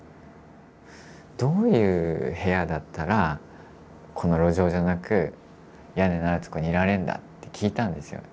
どういう部屋だったらこの路上じゃなく屋根のあるとこにいられるんだって聞いたんですよ。